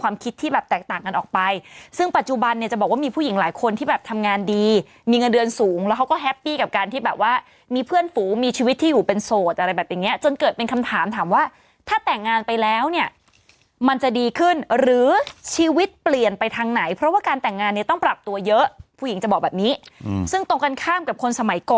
คิดที่แบบแตกต่างกันออกไปซึ่งปัจจุบันเนี่ยจะบอกว่ามีผู้หญิงหลายคนที่แบบทำงานดีมีเงินเดือนสูงแล้วเขาก็แฮปปี้กับการที่แบบว่ามีเพื่อนฝูมีชีวิตที่อยู่เป็นโสดอะไรแบบอย่างเงี้จนเกิดเป็นคำถามถามว่าถ้าแต่งงานไปแล้วเนี่ยมันจะดีขึ้นหรือชีวิตเปลี่ยนไปทางไหนเพราะว่าการแต่งงานเนี่ยต้องปรับตัวเยอะผู้หญิงจะบอกแบบนี้ซึ่งตรงกันข้ามกับคนสมัยก